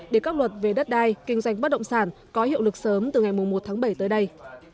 để các luật về đất đai kinh doanh bất động sản có hiệu lực sớm từ ngày một tháng bảy tới đây